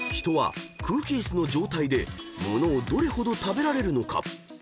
［人は空気椅子の状態で物をどれほど食べられるのか］